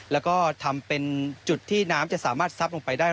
แล้วก็ทำเป็นจุดที่น้ำจะสามารถซับลงไปได้